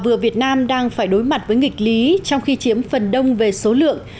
vừa việt nam đang phải đối mặt với nghịch lý trong khi chiếm phần đông về số lượng